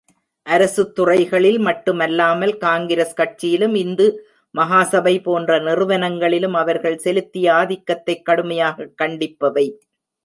அரசுத் துறைகளில் மட்டுமல்லாமல் காங்கிரஸ் கட்சியிலும் இந்து மகாசபை போன்ற நிறுவனங்களிலும் அவர்கள் செலுத்திய ஆதிக்கத்தைக் கடுமையாகக் கண்டிப்பவை.